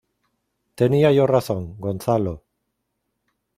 Tenía yo razón, Gonzalo.